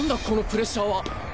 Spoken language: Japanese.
このプレッシャーは。